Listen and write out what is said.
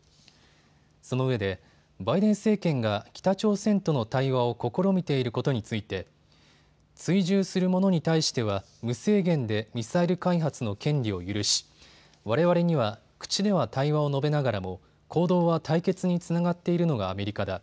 そのうえでバイデン政権が北朝鮮との対話を試みていることについて追従する者に対しては無制限でミサイル開発の権利を許しわれわれには口では対話を述べながらも行動は対決につながっているのがアメリカだ。